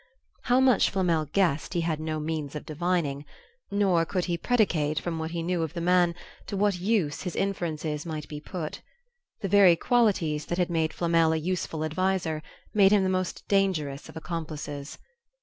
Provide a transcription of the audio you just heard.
How much Flamel guessed, he had no means of divining; nor could he predicate, from what he knew of the man, to what use his inferences might be put. The very qualities that had made Flamel a useful adviser made him the most dangerous of accomplices.